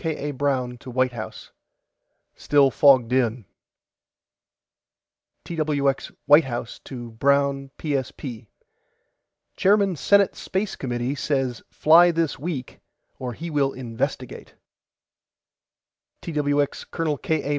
K. A. BROWN TO WHITE HOUSE: STILL FOGGED IN TWX WHITE HOUSE TO BROWN PSP: CHAIRMAN SENATE SPACE COMMITTEE SAYS FLY THIS WEEK OR HE WILL INVESTIGATE TWX COL. K. A.